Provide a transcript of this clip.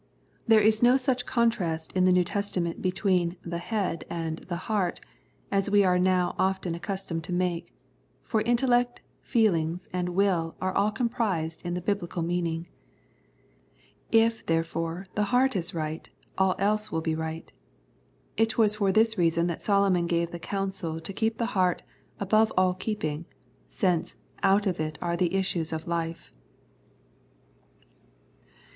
There is no such con 42 Love and Peace trast in the New Testament between " the head " and " the heart " as we are now often accustomed to make, for intellect, feelings, and will are all comprised in the Biblical meaning. If, therefore, the heart is right, all else will be right It was for this reason that Solomon gave the counsel to keep the heart " above all keeping," since " out of it are the issues of life."